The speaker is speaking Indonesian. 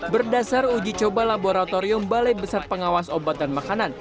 berdasar uji coba laboratorium balai besar pengawas obat dan makanan